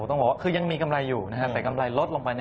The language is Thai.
ต้องบอกว่าคือยังมีกำไรอยู่แต่กำไรลดลงไป